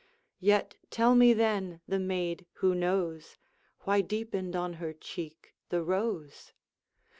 Yet tell me, then, the maid who knows, Why deepened on her cheek the rose?